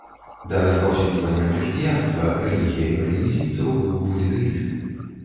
Да распаўсюджвання хрысціянства рэлігіяй палінезійцаў быў політэізм.